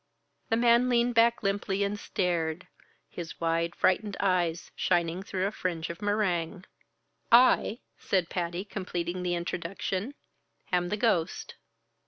The man leaned back limply and stared, his wide, frightened eyes shining through a fringe of meringue. "I," said Patty, completing the introduction, "am the ghost."